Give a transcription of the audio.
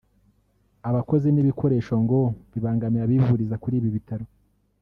abakozi n’ibikoresho ngo bibangamiye abivuriza kuri ibi bitaro